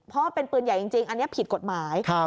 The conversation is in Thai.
เพราะว่าเป็นปืนใหญ่จริงอันนี้ผิดกฎหมาย